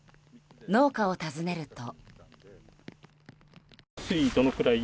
農家を訪ねると。